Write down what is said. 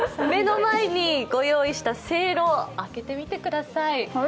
目の前に御用意したせいろ、開けてみてください。